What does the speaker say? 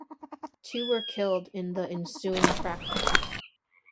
Two were killed in the ensuing crackdown.